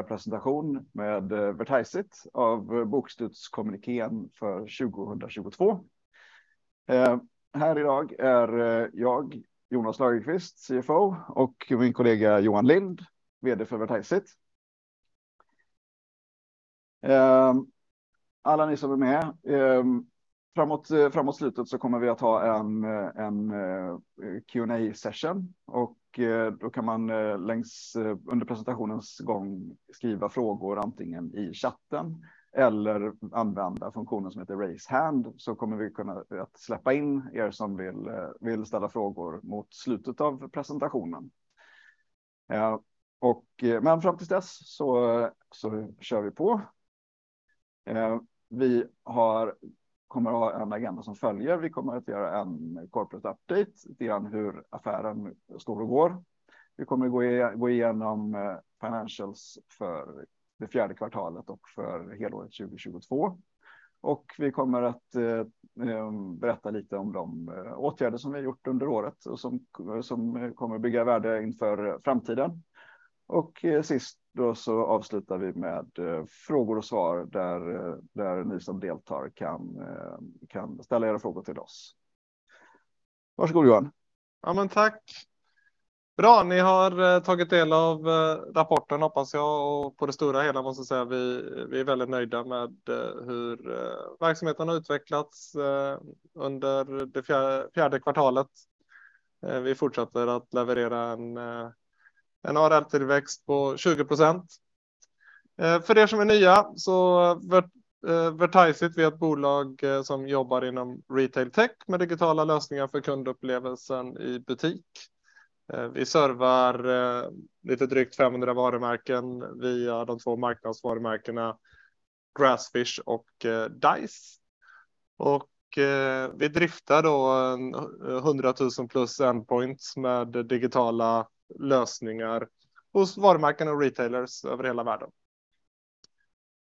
Presentation med Vertiseit av bokslutskommunikén för 2022. Här i dag är jag, Jonas Lagerqvist, CFO, och min kollega Johan Lind, vd för Vertiseit. Alla ni som är med, framåt slutet så kommer vi att ta en Q&A session och då kan man längs under presentationens gång skriva frågor antingen i chatten eller använda funktionen som heter Raise Hand så kommer vi kunna att släppa in er som vill ställa frågor mot slutet av presentationen. Fram tills dess så kör vi på. Vi kommer att ha en agenda som följer. Vi kommer att göra en corporate update, lite grann hur affären står och går. Vi kommer gå igenom financials för det fjärde kvartalet och för helåret 2022. Vi kommer att berätta lite om de åtgärder som vi gjort under året och som kommer bygga värde inför framtiden. Sist då så avslutar vi med frågor och svar där ni som deltar kan ställa era frågor till oss. Varsågod Johan. Tack. Ni har tagit del av rapporten hoppas jag. På det stora hela måste jag säga vi är väldigt nöjda med hur verksamheten har utvecklats under det fjärde kvartalet. Vi fortsätter att leverera en ARR-tillväxt på 20%. För er som är nya, Vertiseit, vi är ett bolag som jobbar inom retail tech med digitala lösningar för kundupplevelsen i butik. Vi servar lite drygt 500 varumärken via de två marknadsvarumärkena Grassfish och Dise. Vi driftar då 100,000 plus endpoints med digitala lösningar hos varumärken och retailers över hela världen.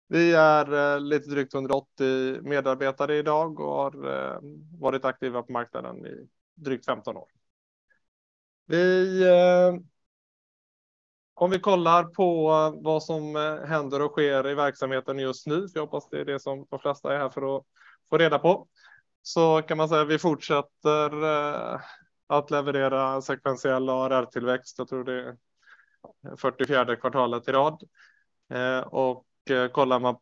Vi är lite drygt 180 medarbetare i dag och har varit aktiva på marknaden i drygt 15 år. Kollar på vad som händer och sker i verksamheten just nu, för jag hoppas det är det som de flesta är här för att få reda på, så kan man säga vi fortsätter att leverera sekventiell ARR tillväxt. Jag tror det är 44th kvartalet i rad. Kollar man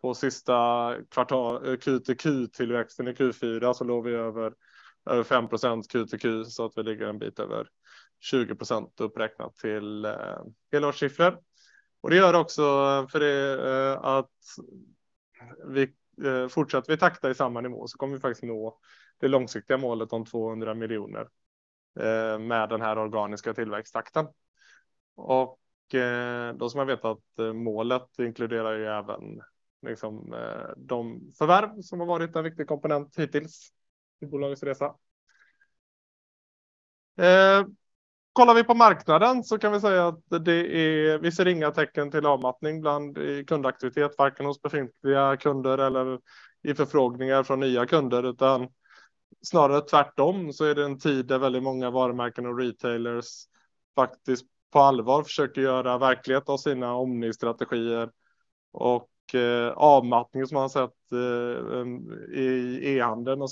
på sista Q-till-Q-tillväxten i Q4 så låg vi över 5% Q-till-Q, så att vi ligger en bit över 20% uppräknat till helårssiffror. Det gör också för det att vi fortsatt, vi taktar i samma nivå så kommer vi faktiskt nå det långsiktiga målet om SEK 200 miljoner med den här organiska tillväxttakten. Då ska man veta att målet inkluderar ju även liksom de förvärv som har varit en viktig komponent hittills i bolagets resa. Kollar vi på marknaden kan vi säga att vi ser inga tecken till avmattning i kundaktivitet, varken hos befintliga kunder eller i förfrågningar från nya kunder, utan snarare tvärtom så är det en tid där väldigt många varumärken och retailers faktiskt på allvar försöker göra verklighet av sina omnistrategier och avmattning som man sett i e-handeln de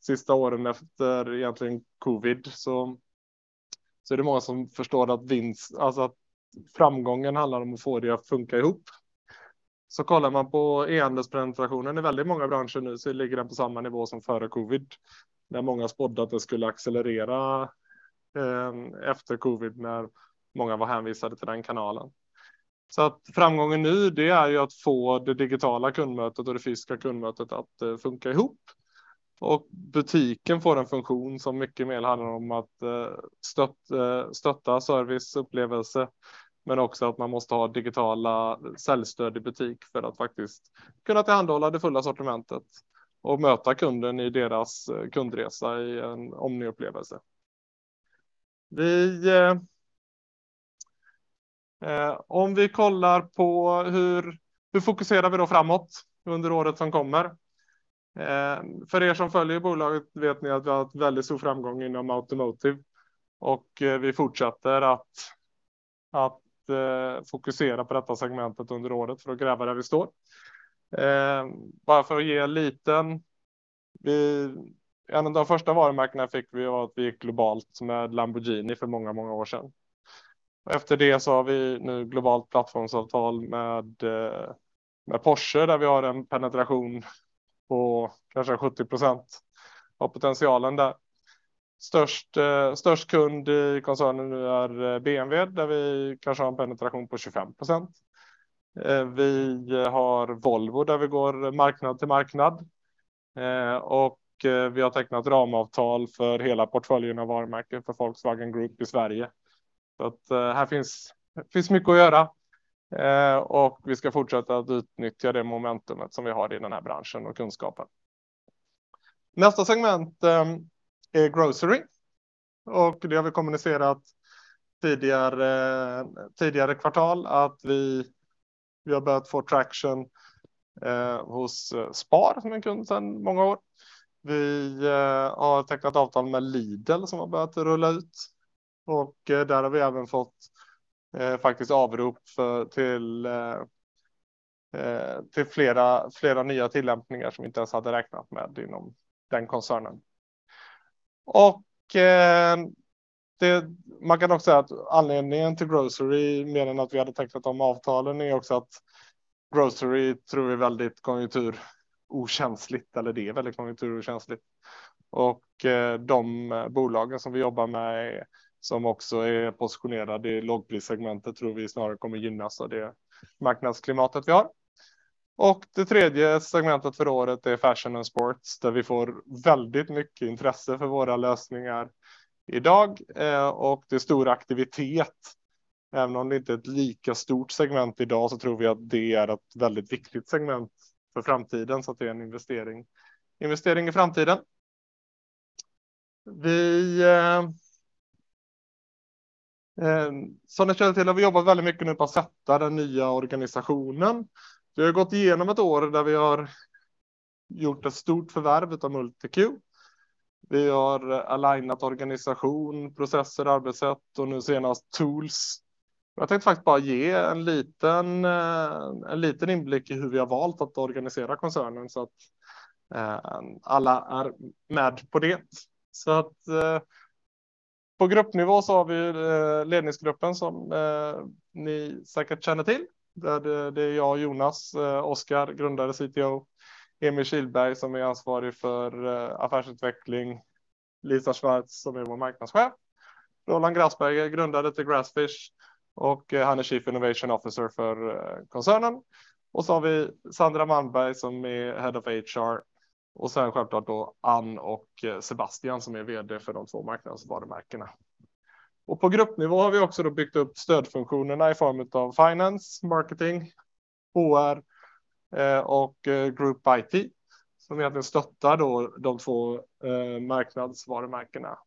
sista åren efter egentligen Covid. Så är det många som förstår att framgången handlar om att få det att funka ihop. Kollar man på e-handelspenetrationen i väldigt många branscher nu så ligger den på samma nivå som före Covid, där många spådde att det skulle accelerera efter Covid när många var hänvisade till den kanalen. Att framgången nu, det är ju att få det digitala kundmötet och det fysiska kundmötet att funka ihop. Butiken får en funktion som mycket mer handlar om att stötta serviceupplevelse, men också att man måste ha digitala säljstöd i butik för att faktiskt kunna tillhandahålla det fulla sortimentet och möta kunden i deras kundresa i en omniupplevelse. Kollar på hur fokuserar vi då framåt under året som kommer? Er som följer bolaget vet ni att vi har haft väldigt stor framgång inom automotive och vi fortsätter att fokusera på detta segmentet under året för att gräva där vi står. En av de första varumärkena fick vi och att vi gick globalt med Lamborghini för många år sedan. Har vi nu globalt plattformsavtal med Porsche, där vi har en penetration på kanske 70% av potentialen där. Störst kund i koncernen nu är BMW, där vi kanske har en penetration på 25%. Vi har Volvo, där vi går marknad till marknad. Vi har tecknat ramavtal för hela portföljen av varumärken för Volkswagen Group i Sverige. Här finns mycket att göra, och vi ska fortsätta att utnyttja det momentumet som vi har i den här branschen och kunskapen. Nästa segment är Grocery och det har vi kommunicerat tidigare kvartal att Vi har börjat få traction hos SPAR som är en kund sedan många år. Vi har tecknat avtal med Lidl som har börjat rulla ut och där har vi även fått faktiskt avrop till flera nya tillämpningar som vi inte ens hade räknat med inom den koncernen. Man kan också säga att anledningen till Grocery, mer än att vi hade tecknat de avtalen är också att Grocery tror vi är väldigt konjunkturokänsligt eller det är väldigt konjunkturokänsligt. De bolagen som vi jobbar med som också är positionerade i lågprissegmentet tror vi snarare kommer gynnas av det marknadsklimatet vi har. Det tredje segmentet för året är Fashion and Sports, där vi får väldigt mycket intresse för våra lösningar i dag och det är stor aktivitet. Även om det inte är ett lika stort segment i dag så tror vi att det är ett väldigt viktigt segment för framtiden så att det är en investering i framtiden. Som ni känner till har vi jobbat väldigt mycket med att sätta den nya organisationen. Vi har gått igenom ett år där vi har gjort ett stort förvärv utav MultiQ. Vi har alignat organisation, processer, arbetssätt och nu senast tools. Jag tänkte faktiskt bara ge en liten, en liten inblick i hur vi har valt att organisera koncernen så att alla är med på det. På gruppnivå så har vi ledningsgruppen som ni säkert känner till. Det är jag och Jonas, Oskar, grundare CTO, Emil Kihlberg som är ansvarig för affärsutveckling, Lisa Schwartz som är vår marknadschef, Roland Grassberger, grundare till Grassfish och han är Chief Innovation Officer för koncernen. Vi har Sandra Malmberg som är head of HR och sen självklart då Anne och Sebastian som är vd för de två marknadsvarumärkena. På gruppnivå har vi också byggt upp stödfunktionerna i form utav finance, marketing, HR och Group IT som egentligen stöttar då de två marknadsvarumärkena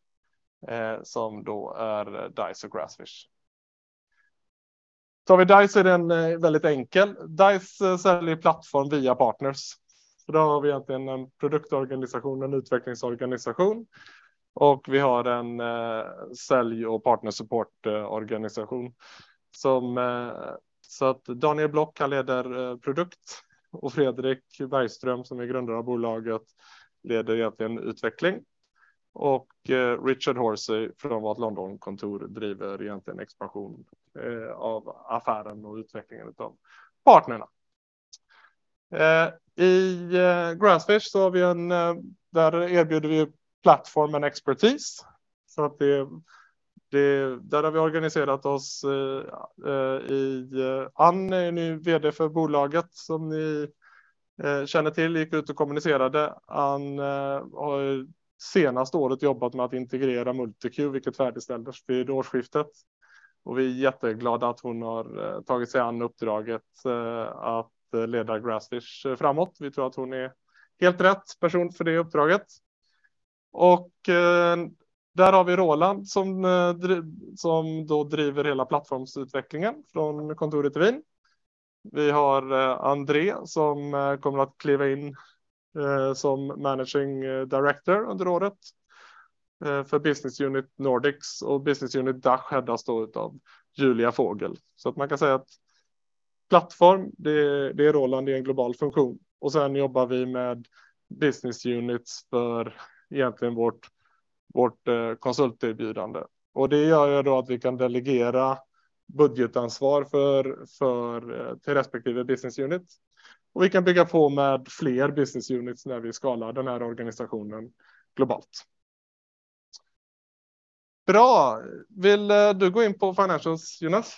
som då är Dise och Grassfish. Tar vi Dise är den väldigt enkel. Dise säljer plattform via partners. Då har vi egentligen en produktorganisation, en utvecklingsorganisation och vi har en sälj- och partnersupportorganisation så att Daniel Bloch, han leder produkt och Fredrik Bergström, som är grundare av bolaget, leder egentligen utveckling. Richard Horsey från vårt London-kontor driver egentligen expansion av affären och utvecklingen utav partnerna. I Grassfish så har vi där erbjuder vi plattformen expertise. Det där har vi organiserat oss i Anne är nu vd för bolaget som ni känner till, gick ut och kommunicerade. Anne har senaste året jobbat med att integrera MultiQ, vilket färdigställdes vid årsskiftet. Vi är jätteglada att hon har tagit sig an uppdraget att leda Grassfish framåt. Vi tror att hon är helt rätt person för det uppdraget. Där har vi Roland som då driver hela plattformsutvecklingen från kontoret i Vienna. Vi har André som kommer att kliva in som Managing Director under året för Business Unit Nordics och Business Unit DACH headas då utav Julia Vogl. Man kan säga att plattform, det är Roland, det är en global funktion. Sen jobbar vi med business units för egentligen vårt konsulterbjudande. Det gör ju då att vi kan delegera budgetansvar för till respektive business unit. Vi kan bygga på med fler business units när vi skalar den här organisationen globalt. Bra! Vill du gå in på financials, Jonas?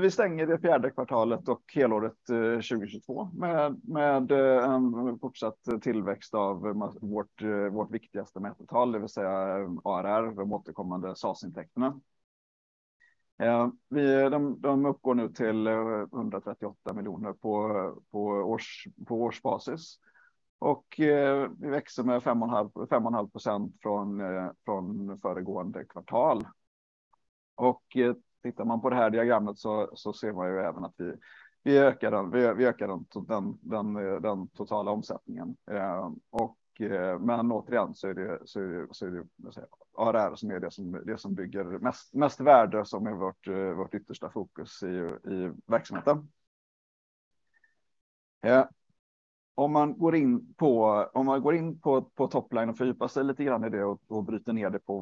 Vi stänger det fourth quarter och helåret 2022 med en fortsatt tillväxt av vårt viktigaste mätertal, det vill säga ARR, de återkommande SaaS-intäkterna. De uppgår nu till SEK 138 million på årsbasis och vi växer med 5.5% från föregående kvartal. Tittar man på det här diagrammet ser man ju även att vi ökar den totala omsättningen. Återigen så är det ARR som är det som bygger mest värde som är vårt yttersta fokus i verksamheten. Om man går in på top line och fördjupar sig lite grann i det och bryter ner det på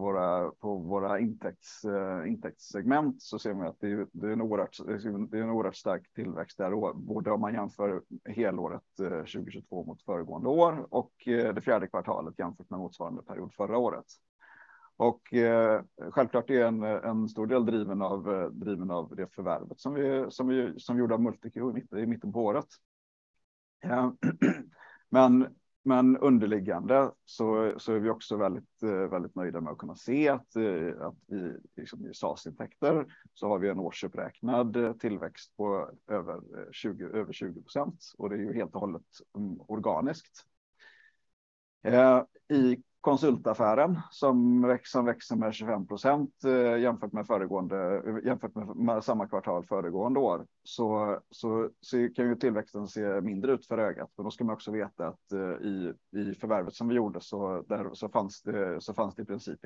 våra intäktssegment så ser man ju att det är en oerhört stark tillväxt där då. Både om man jämför helåret 2022 mot föregående år och det 4th quarter jämfört med motsvarande period förra året. Självklart är en stor del driven av det förvärvet som vi gjorde av MultiQ i mitten på året. Underliggande så är vi också väldigt nöjda med att kunna se att i, liksom i SaaS-intäkter så har vi en årsuppräknad tillväxt på över 20%, och det är ju helt och hållet organiskt. I konsultaffären som växer med 25% jämfört med föregående, jämfört med samma kvartal föregående år, kan ju tillväxten se mindre ut för ögat. Då ska man också veta att i förvärvet som vi gjorde så där så fanns det i princip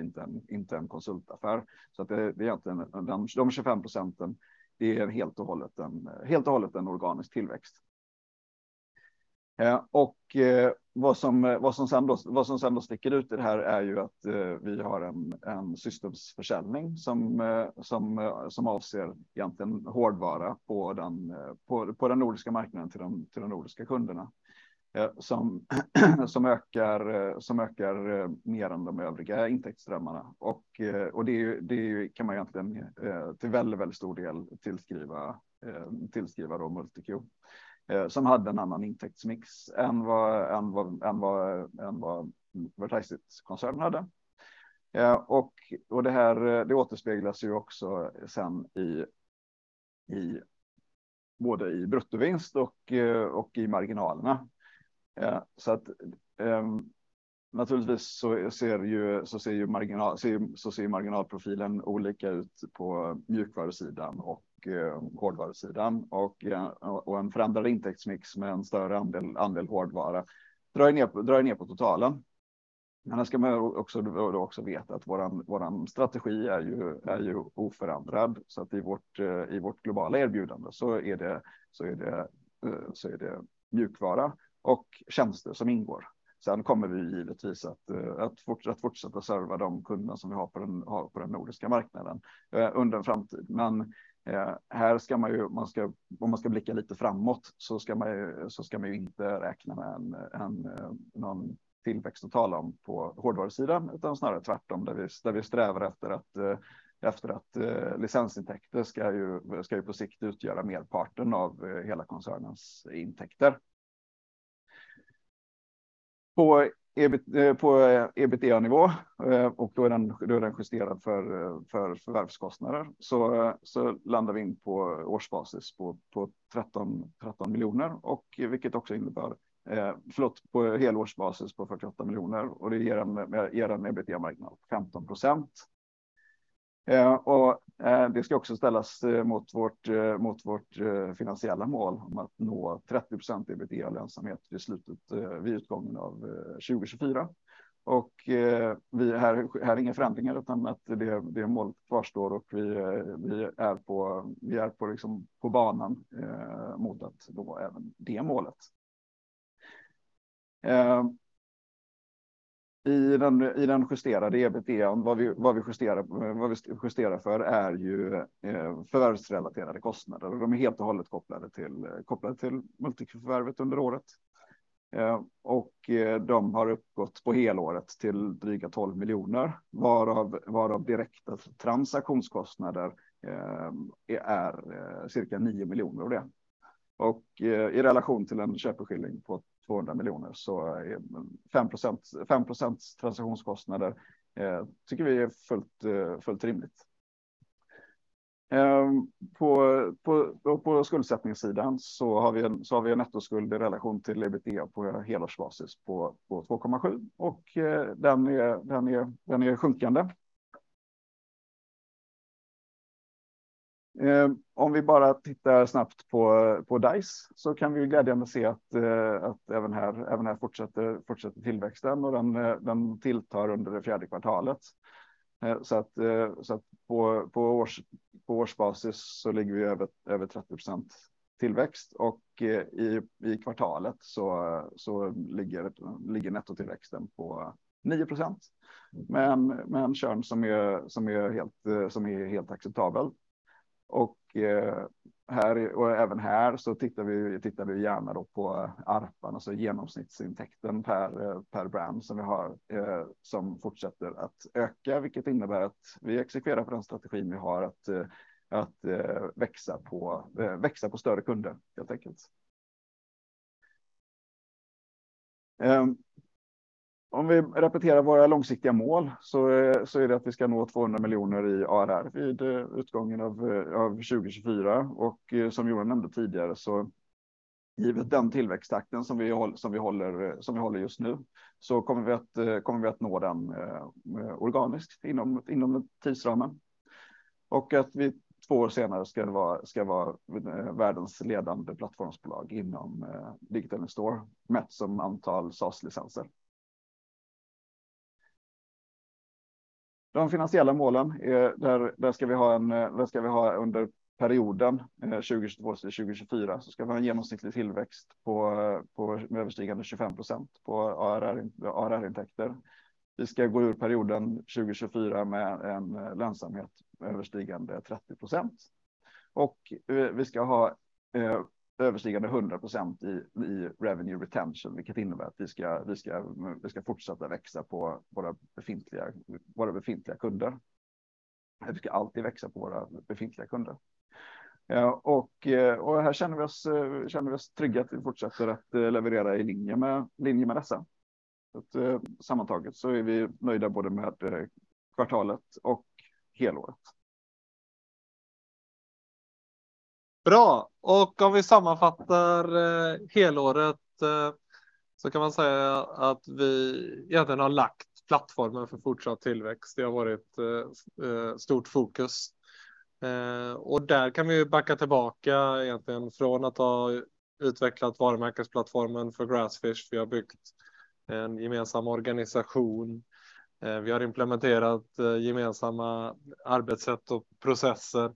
inte en konsultaffär. Det är egentligen, de 25% är helt och hållet en organisk tillväxt. Vad som sen då sticker ut i det här är ju att vi har en systemsförsäljning som avser egentligen hårdvara på den nordiska marknaden till de nordiska kunderna. Som ökar mer än de övriga intäktsströmmarna. Det kan man egentligen till väldigt stor del tillskriva då MultiQ. Som hade en annan intäktsmix än vad Vertiseit-koncernen hade. Det här återspeglas ju också sen i både i bruttovinst och i marginalerna. Naturligtvis så ser ju marginalprofilen olika ut på mjukvarusidan och hårdvarusidan. En förändrad intäktsmix med en större andel hårdvara drar ju ner på totalen. Då ska man också veta att våran strategi är ju oförändrad. I vårt globala erbjudande så är det mjukvara och tjänster som ingår. Vi kommer givetvis att fortsätta serva de kunder som vi har på den nordiska marknaden under en framtid. Här ska man ju, om man ska blicka lite framåt, så ska man ju inte räkna med en någon tillväxt att tala om på hårdvarusidan, utan snarare tvärtom. Där vi strävar efter att licensintäkter ska ju på sikt utgöra merparten av hela koncernens intäkter. På EBITDA-nivå, och då är den justerad för förvärvskostnader, så landar vi in på årsbasis på SEK 13 million. Vilket också innebär, förlåt, på helårsbasis på SEK 48 million och det ger en EBITDA-marginal på 15%. Det ska också ställas mot vårt finansiella mål om att nå 30% EBITDA-lönsamhet vid slutet, vid utgången av 2024. Vi här är inga förändringar utan att det målet kvarstår och vi är på liksom på banan mot att nå även det målet. I den justerade EBITDA, vad vi justerar för är ju förvärvsrelaterade kostnader. De är helt och hållet kopplade till MultiQ-förvärvet under året. De har uppgått på helåret till dryga SEK 12 million, varav direkta transaktionskostnader är cirka SEK 9 million av det. I relation till en köpeskilling på SEK 200 million så är 5% transaktionskostnader tycker vi är fullt rimligt. På skuldsättningssidan så har vi en nettoskuld i relation till EBITDA på helårsbasis på 2.7. Den är sjunkande. Om vi bara tittar snabbt på Dise så kan vi glädjande se att även här fortsätter tillväxten och den tilltar under det fjärde kvartalet. På årsbasis så ligger vi över 30% tillväxt och i kvartalet så ligger nettotillväxten på 9%. Med en churn som är helt acceptabel. Även här så tittar vi gärna då på ARPA, alltså genomsnittsintäkten per brand som vi har, som fortsätter att öka. Vilket innebär att vi exekverar på den strategin vi har att växa på större kunder helt enkelt. Om vi repeterar våra långsiktiga mål så är det att vi ska nå SEK 200 million in ARR vid utgången av 2024. Som Johan nämnde tidigare, så givet den tillväxttakten som vi håller just nu, så kommer vi att nå den organiskt inom tidsramen. Att vi two years senare ska vara världens ledande plattformsbolag inom Digital In-store, mätt som antal SaaS-licenser. De finansiella målen är, där ska vi ha en, där ska vi ha under perioden 2022-2024, så ska vi ha en genomsnittlig tillväxt på överstigande 25% på ARR-intäkter. Vi ska gå ur perioden 2024 med en lönsamhet överstigande 30%. Vi ska ha överstigande 100% i revenue retention, vilket innebär att vi ska fortsätta växa på våra befintliga kunder. Vi ska alltid växa på våra befintliga kunder. Här känner vi oss trygga att vi fortsätter att leverera i linje med dessa. Sammantaget så är vi nöjda både med kvartalet och helåret. Bra. Om vi sammanfattar helåret så kan man säga att vi egentligen har lagt plattformen för fortsatt tillväxt. Det har varit stort fokus. Där kan vi backa tillbaka egentligen från att ha utvecklat varumärkesplattformen för Grassfish. Vi har byggt en gemensam organisation. Vi har implementerat gemensamma arbetssätt och processer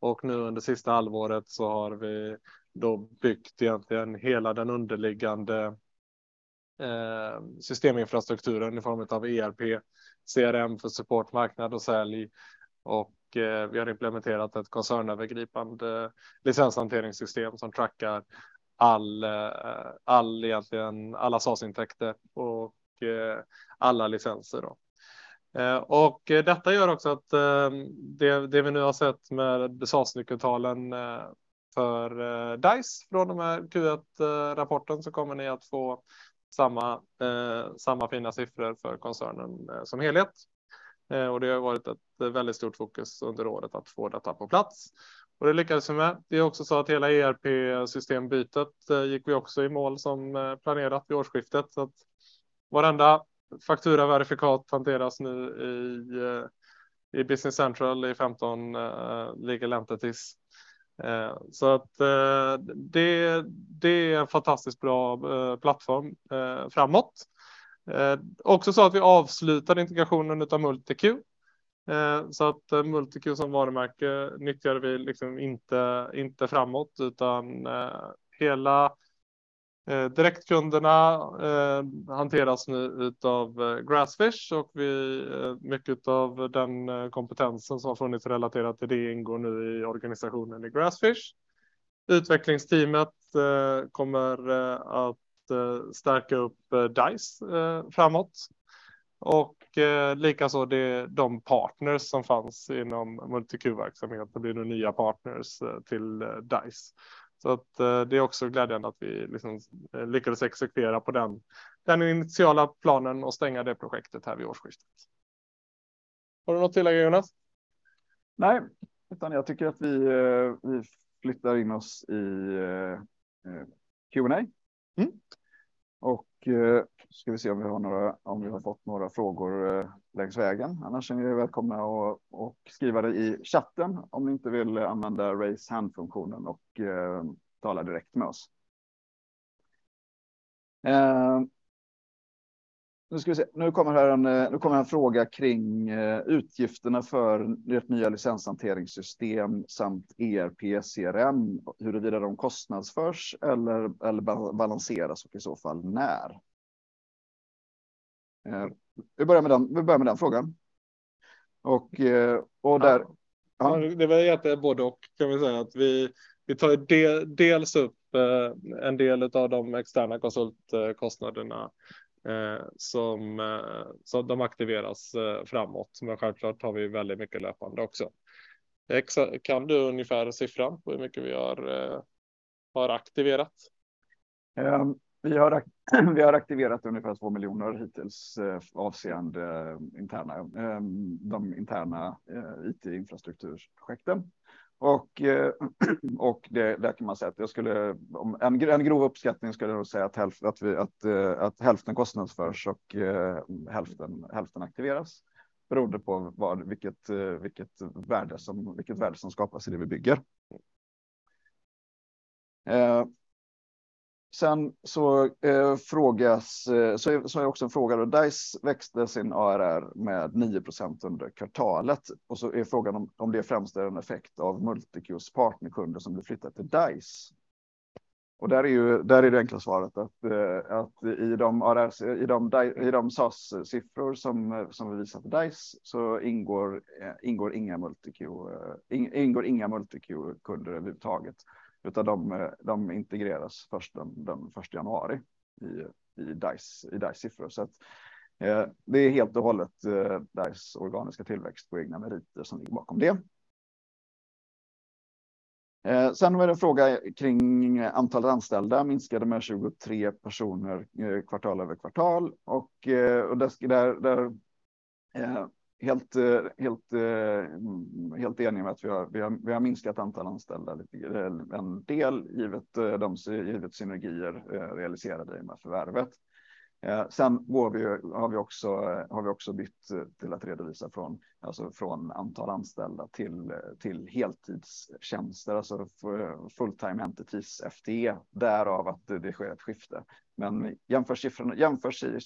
och nu under sista halvåret så har vi då byggt egentligen hela den underliggande systeminfrastrukturen i form utav ERP, CRM för supportmarknad och sälj. Vi har implementerat ett koncernövergripande licenshanteringssystem som trackar all egentligen, alla SaaS-intäkter och alla licenser då. Detta gör också att det vi nu har sett med SaaS-nyckeltalen för Dise från de här Q1-rapporten så kommer ni att få samma fina siffror för koncernen som helhet. Det har varit ett väldigt stort fokus under året att få detta på plats. Och det lyckades vi med. Det är också så att hela ERP-systembytet gick vi också i mål som planerat vid årsskiftet. Varenda fakturaverifikat hanteras nu i Business Central i 15 legal entities. Det är en fantastiskt bra plattform framåt. Också så att vi avslutade integrationen utav Multiq. Multiq som varumärke nyttjar vi inte framåt, utan hela direktkunderna hanteras nu utav Grassfish och mycket utav den kompetensen som har funnits relaterat till det ingår nu i organisationen i Grassfish. Utvecklingsteamet kommer att stärka upp Dise framåt. Likaså de partners som fanns inom Multiq-verksamheten blir nu nya partners till Dise. Det är också glädjande att vi liksom lyckades exekvera på den initiala planen och stänga det projektet här vid årsskiftet. Har du något att tillägga, Jonas? Nej, jag tycker att vi flyttar in oss i Q&A. Mm. Ska vi se om vi har några, om vi har fått några frågor längs vägen. Annars är ni välkomna och skriva det i chatten om ni inte vill använda raise hand-funktionen och tala direkt med oss. Nu ska vi se. Nu kommer en fråga kring utgifterna för ert nya licenshanteringssystem samt ERP, CRM, huruvida de kostnadsförs eller balanseras och i så fall när? Vi börjar med den frågan. Där- Det är väl jätte både och kan vi säga. Att vi tar dels upp en del utav de externa konsultkostnaderna som de aktiveras framåt. Men självklart har vi väldigt mycket löpande också. Kan du ungefär en siffra på hur mycket vi har aktiverat? Vi har aktiverat ungefär SEK 2 million hittills avseende interna, de interna IT-infrastruktursprojekten. Det kan man säga att om en grov uppskattning skulle jag nog säga att hälften kostnadsförs och hälften aktiveras. Beroende på vad, vilket värde som skapas i det vi bygger. Är också en fråga då Dise växte sin ARR med 9% under kvartalet. Är frågan om det främst är en effekt av MultiQs partnerkunder som nu flyttar till Dise. Där är det enkla svaret att i de ARR, i de Dise, i de SaaS-siffror som vi visar för Dise så ingår inga MultiQ-kunder överhuvudtaget. Utan de integreras först den första januari i Dise-siffror. Det är helt och hållet Dise organiska tillväxt på egna meriter som ligger bakom det. Det var en fråga kring antalet anställda minskade med 23 personer quarter-over-quarter. Där helt enig med att vi har minskat antal anställda lite grann, en del givet synergier realiserade i och med förvärvet. Vi har också bytt till att redovisa från antal anställda till heltidstjänster. Alltså full-time equivalents, FTE, därav att det sker ett skifte. Jämförs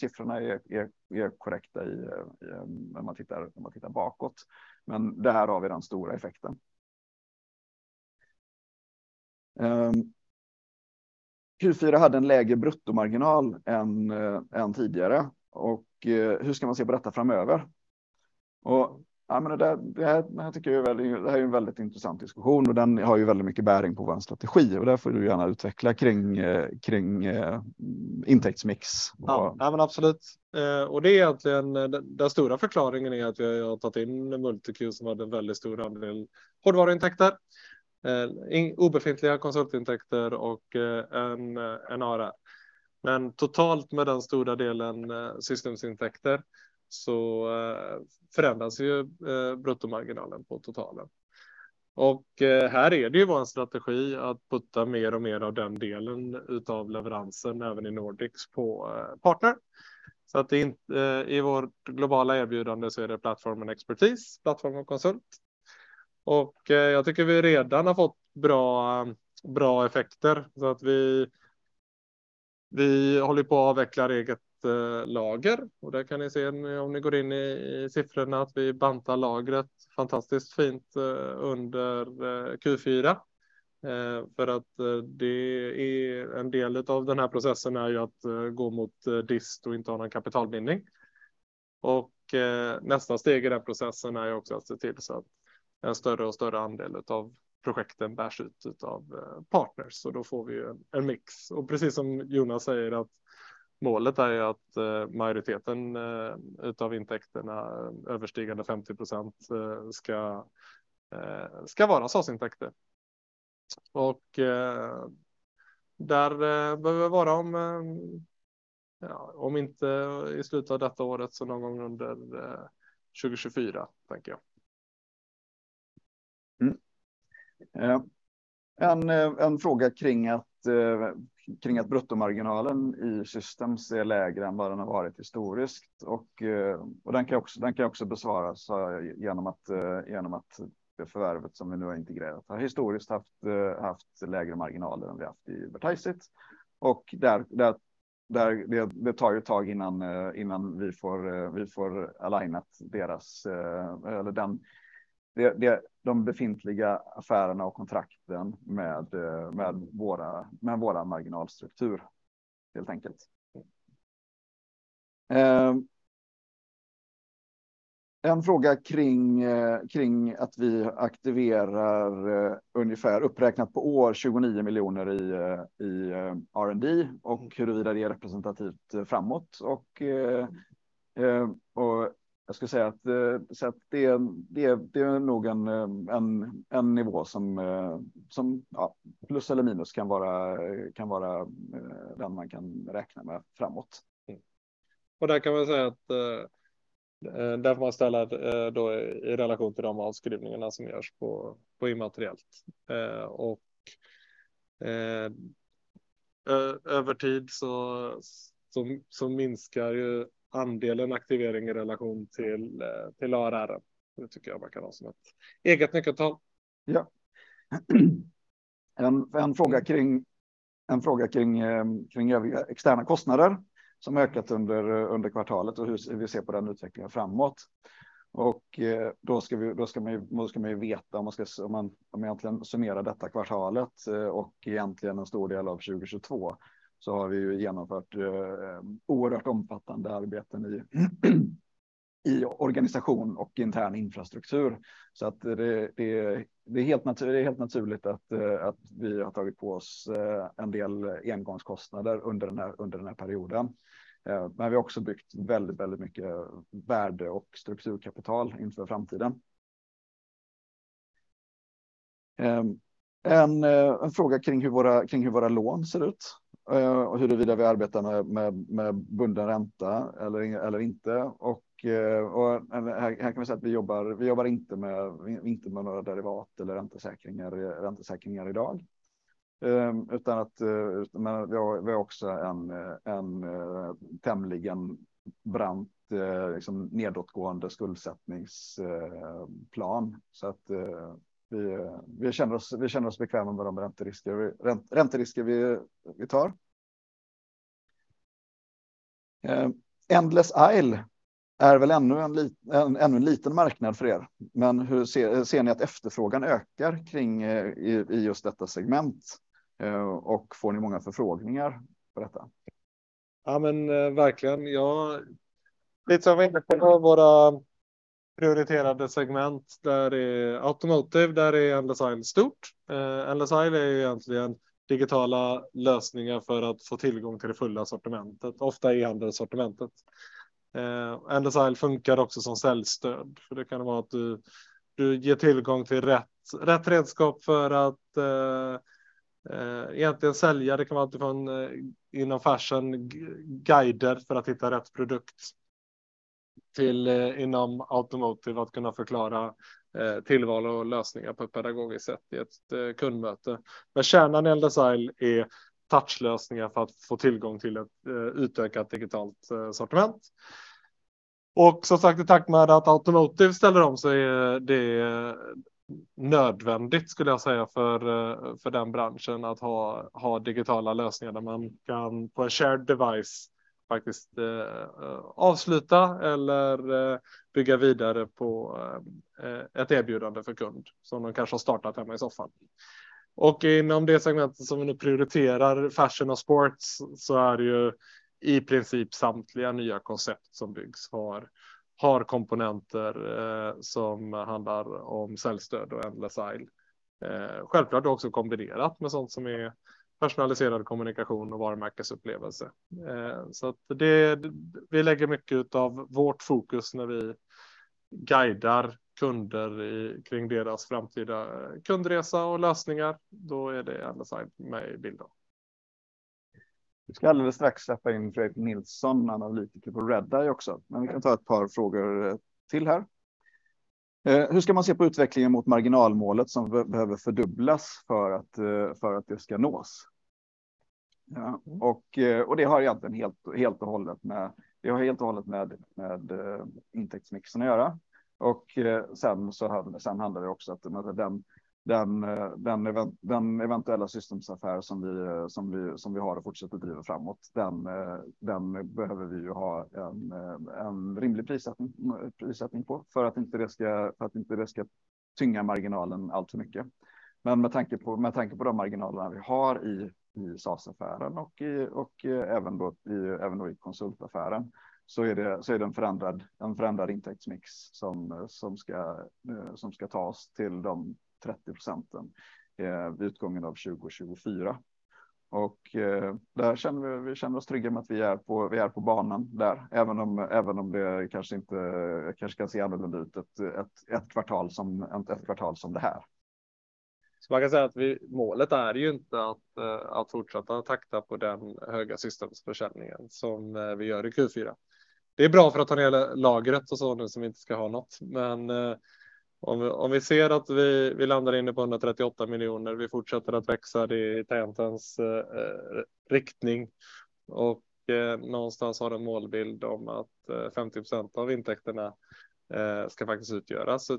siffrorna är korrekta i när man tittar bakåt. Det här har vi den stora effekten. Q4 hade en lägre bruttomarginal än tidigare. Hur ska man se på detta framöver? Ja, men det där, det här tycker jag är väldigt, det här är ju en väldigt intressant diskussion och den har ju väldigt mycket bäring på vår strategi och det får du gärna utveckla kring intäktsmix. Nej, men absolut. Det är egentligen, den stora förklaringen är att vi har tagit in MultiQ som hade en väldigt stor andel hårdvaruintäkter, obefintliga konsultintäkter och en ARR. Totalt med den stora delen systemsintäkter så förändras ju bruttomarginalen på totalen. Här är det ju vår strategi att putta mer och mer av den delen utav leveransen även i Nordics på partner. I vår globala erbjudande så är det plattformen Expertise, plattformen Consult. Jag tycker vi redan har fått bra effekter. Vi håller på att avveckla eget lager och där kan ni se om ni går in i siffrorna att vi bantar lagret fantastiskt fint under Q4. Det är en del av den här processen är att gå mot dist och inte ha någon kapitalbindning. Nästa steg i den processen är också att se till så att en större och större andel utav projekten bärs ut utav partners och då får vi en mix. Precis som Jonas säger att målet är att majoriteten utav intäkterna överstigande 50% ska vara SaaS intäkter. Där behöver vi vara om, ja om inte i slutet av detta året, så någon gång under 2024 tänker jag. En fråga kring att bruttomarginalen i Systems är lägre än vad den har varit historiskt och den kan också besvaras genom att det förvärvet som vi nu har integrerat har historiskt haft lägre marginaler än vi haft i Vertiseit. Där det tar ju ett tag innan vi får alignat deras eller den de befintliga affärerna och kontrakten med våra marginalstruktur helt enkelt. En fråga kring att vi aktiverar ungefär uppräknat på år SEK 29 million i R&D och huruvida det är representativt framåt. Jag skulle säga att det är nog en nivå som ja plus eller minus kan vara den man kan räkna med framåt. Där kan man säga att där får man ställa då i relation till de avskrivningarna som görs på immateriellt. Övertid så minskar ju andelen aktivering i relation till ARR. Det tycker jag man kan ha som ett eget nyckeltal. Ja. En fråga kring övriga externa kostnader som ökat under kvartalet och hur vi ser på den utvecklingen framåt. Då ska man ju veta om man egentligen summerar detta kvartalet och egentligen en stor del av 2022. Har vi ju genomfört oerhört omfattande arbeten i organisation och intern infrastruktur. Att det är helt naturligt att vi har tagit på oss en del engångskostnader under den här perioden. Vi har också byggt väldigt mycket värde och strukturkapital inför framtiden. En fråga kring hur våra lån ser ut och huruvida vi arbetar med bunden ränta eller inte. Här kan vi säga att vi jobbar inte med några derivat eller räntesäkringar i dag. Utan att vi har också en tämligen brant, liksom nedåtgående skuldsättningsplan. Vi känner oss bekväma med de ränterisker vi tar. Endless aisle är väl ännu en liten marknad för er. Hur ser ni att efterfrågan ökar kring i just detta segment? Får ni många förfrågningar på detta? Ja, men verkligen. Ja, lite som vi intresserar våra prioriterade segment. Där är automotive, där är endless aisle stort. Endless aisle är egentligen digitala lösningar för att få tillgång till det fulla sortimentet, ofta e-handel sortimentet. Endless aisle funkar också som säljstöd. Det kan vara att du ger tillgång till rätt redskap för att egentligen sälja. Det kan vara alltifrån inom fashion guider för att hitta rätt produkt till inom automotive att kunna förklara tillval och lösningar på ett pedagogiskt sätt i ett kundmöte. Kärnan i endless aisle är touchlösningar för att få tillgång till ett utökat digitalt sortiment. Som sagt, i takt med att automotive ställer om så är det nödvändigt skulle jag säga för den branschen att ha digitala lösningar där man kan på en shared device faktiskt avsluta eller bygga vidare på ett erbjudande för kund som de kanske har startat hemma i soffan. Inom det segmentet som vi nu prioriterar Fashion and Sports så är det ju i princip samtliga nya koncept som byggs har komponenter som handlar om säljstöd och endless aisle. Självklart också kombinerat med sådant som är personaliserad kommunikation och varumärkesupplevelse. Det, vi lägger mycket utav vårt fokus när vi guidar kunder i, kring deras framtida kundresa och lösningar. Då är det Amazon med i bilden. Vi ska alldeles strax släppa in Fredrik Nilsson, analytiker på Redeye också. Vi kan ta ett par frågor till här. Hur ska man se på utvecklingen mot marginalmålet som behöver fördubblas för att det ska nås? Ja, det har egentligen helt och hållet med intäktsmixen att göra. Sen handlar det också om att den eventuella systemsaffär som vi har och fortsätter att driva framåt, den behöver vi ju ha en rimlig prissättning på för att inte det ska tynga marginalen alltför mycket. Med tanke på de marginalerna vi har i SaaS-affären och även då i konsultaffären, så är det en förändrad intäktsmix som ska ta oss till de 30% vid utgången av 2024. Där känner vi oss trygga med att vi är på banan där, även om det kanske kan se alldeles ut ett kvartal som det här. Man kan säga att Målet är ju inte att fortsätta takta på den höga systemsförsäljningen som vi gör i Q4. Det är bra för att ta ner lagret och så nu som vi inte ska ha något. Om vi ser att vi landar inne på SEK 138 million, vi fortsätter att växa det i tentans riktning och någonstans har en målbild om att 50% av intäkterna ska faktiskt utgöras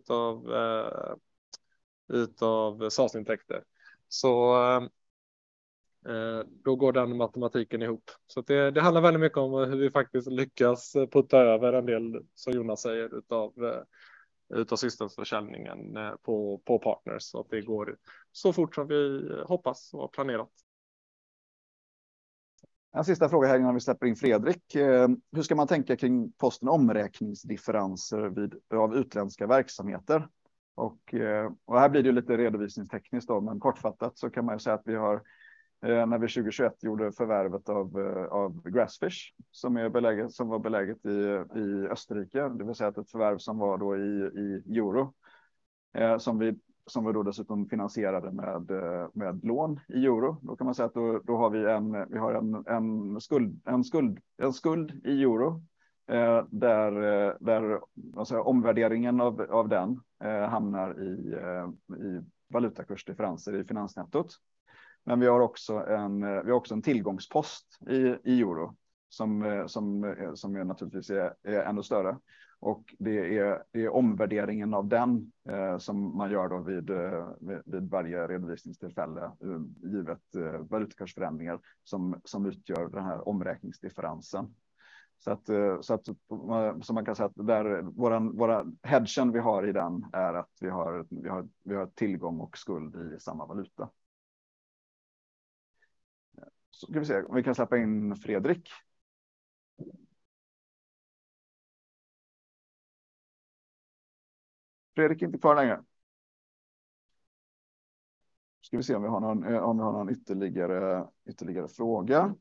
utav SaaS-intäkter. Då går den matematiken ihop. Det handlar väldigt mycket om hur vi faktiskt lyckas putta över en del, som Jonas säger, utav systemsförsäljningen på partners. Att det går så fort som vi hoppas och har planerat. En sista fråga här innan vi släpper in Fredrik. Hur ska man tänka kring posten omräkningsdifferenser vid, av utländska verksamheter? Här blir det ju lite redovisningstekniskt då, men kortfattat så kan man ju säga att vi har, när vi 2021 gjorde förvärvet av Grassfish, som är beläget, som var beläget i Österrike. Det vill säga ett förvärv som var då i euro. Som vi då dessutom finansierade med lån i euro. Då kan man säga att då har vi en, vi har en skuld i euro. Där vad ska jag säga, omvärderingen av den hamnar i valutakursdifferenser i finansnettot. Men vi har också en, vi har också en tillgångspost i euro som naturligtvis är ännu större. Det är omvärderingen av den som man gör då vid varje redovisningstillfälle, givet valutakursförändringar, som utgör den här omräkningsdifferensen. Man kan säga att där vår hedgen vi har i den är att vi har tillgång och skuld i samma valuta. Ska vi se om vi kan släppa in Fredrik. Fredrik är inte med för länge. Ska vi se om vi har någon ytterligare fråga.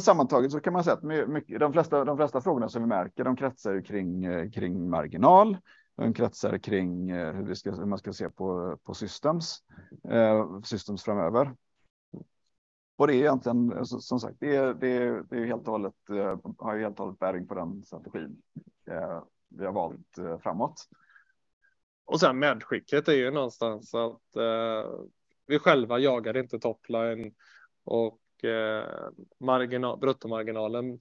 Sammantaget kan man säga att de flesta frågorna som vi märker, de kretsar ju kring marginal. De kretsar kring hur man ska se på systems framöver. Det är egentligen, som sagt, har ju helt och hållet bäring på den strategin vi har valt framåt. Medskicket är ju någonstans att vi själva jagar inte top line och marginal, bruttomarginalen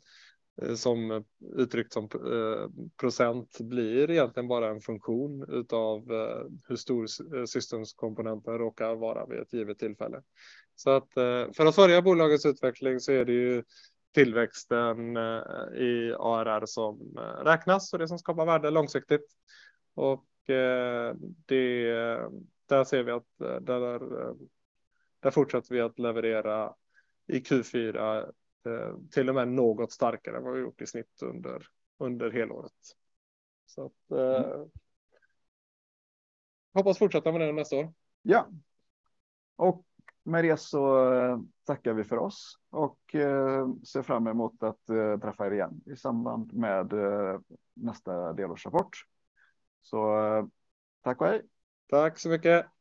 som uttryckt som % blir egentligen bara en funktion utav hur stor systemskomponenten råkar vara vid ett givet tillfälle. För att följa bolagets utveckling så är det ju tillväxten i ARR som räknas och det som skapar värde långsiktigt. Där ser vi att där fortsätter vi att leverera i Q4 till och med något starkare än vad vi gjort i snitt under helåret. Hoppas fortsätta med det nästa år. Med det tackar vi för oss och ser fram emot att träffa er igen i samband med nästa delårsrapport. Tack och hej! Tack så mycket!